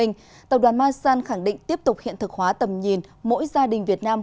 mỗi gia đình thực hóa tầm nhìn mỗi gia đình việt nam